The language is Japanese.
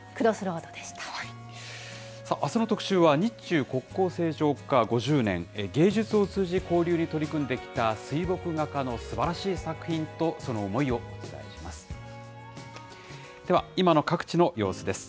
あすの特集は、日中国交正常化５０年、芸術を通じ、交流に取り組んできた水墨画家のすばらしい作品とその思いを取材します。